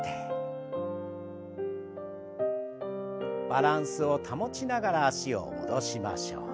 バランスを保ちながら脚を戻しましょう。